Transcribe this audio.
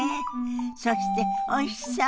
そしておいしそう！